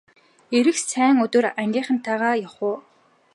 Ирэх сайн өдөр ангийнхантайгаа явах уу!